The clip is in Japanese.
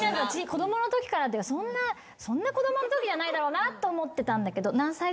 子供のときからってそんな子供んときじゃないだろうなと思ってたんだけど。